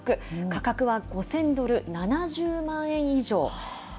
価格は５０００ドル、７０万円以上。